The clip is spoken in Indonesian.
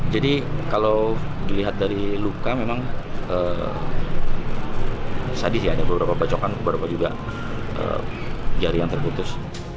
jadi kalau dilihat dari luka memang sadis ya ada beberapa bacokan beberapa juga jari yang terputus